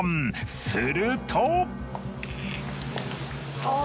すると。